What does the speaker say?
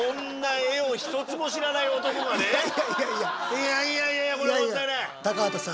いやいやいやいやこれはもったいない。